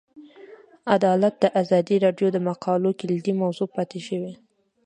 عدالت د ازادي راډیو د مقالو کلیدي موضوع پاتې شوی.